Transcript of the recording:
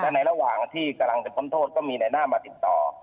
ในระหว่างที่กำลังจะพ้นโทษก็มีในหน้ามาติดต่อ